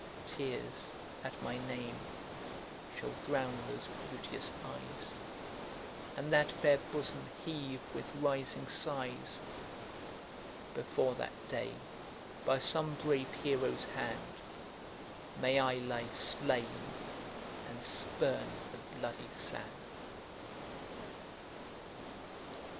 Tears, at my name, shall drown those beauteous eyes, And that fair bosom heave with rising sighs! Before that day, by some brave hero's hand May I lie slain, and spurn the bloody sand.